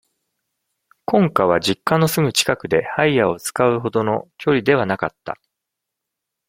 婚家は、実家のすぐ近くで、ハイヤーを使う程の距離ではなかった。